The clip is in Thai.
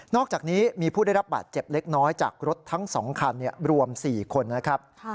อกจากนี้มีผู้ได้รับบาดเจ็บเล็กน้อยจากรถทั้ง๒คันรวม๔คนนะครับ